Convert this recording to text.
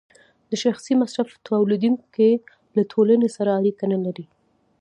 د شخصي مصرف تولیدونکی له ټولنې سره اړیکه نلري